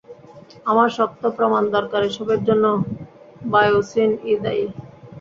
আমার শক্ত প্রমাণ দরকার এসবের জন্য বায়োসিন-ই দায়ী।